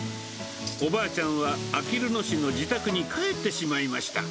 おばあちゃんはあきる野市の自宅に帰ってしまいました。